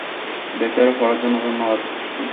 ভেতরে পড়ার জন্য ধন্যবাদ।